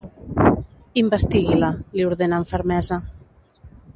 Investigui-la —li ordena amb fermesa—.